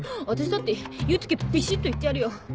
私だって言うときゃビシっと言ってやるよ！